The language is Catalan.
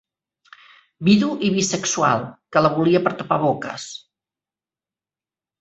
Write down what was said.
Vidu i bisexual, que la volia per tapar boques.